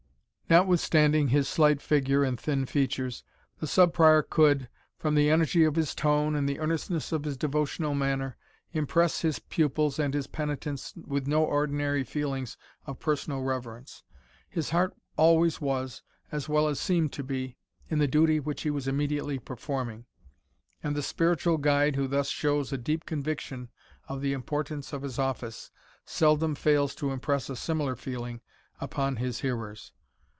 Notwithstanding his slight figure and thin features, the Sub Prior could, from the energy of his tone, and the earnestness of his devotional manner, impress his pupils and his penitents with no ordinary feelings of personal reverence. His heart always was, as well as seemed to be, in the duty which he was immediately performing; and the spiritual guide who thus shows a deep conviction of the importance of his office, seldom fails to impress a similar feeling upon his hearers.